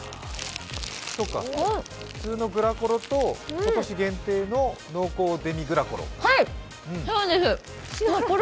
普通のグラコロと今年限定の濃厚デミグラコロ。